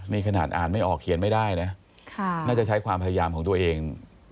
นี่ขนาดอ่านไม่ออกเขียนไม่ได้นะน่าจะใช้ความพยายามของตัวเอง